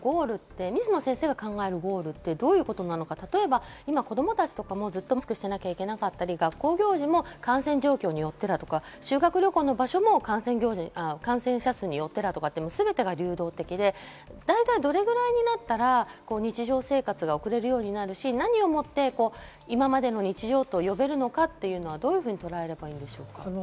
水野先生に伺いたいんですが、コロナのゴールって水野先生が考えるゴールはどういうことなのか、例えば子供たちもずっとマスクをしなきゃいけなかったり、学校行事も感染状況によって修学旅行の場所も感染者数によってとか、全てが流動的で、どれぐらいになったら日常生活が送れるようになるし、何をもって今までの日常と呼べるのかというのは、どういうふうにとらえればいいんでしょうか？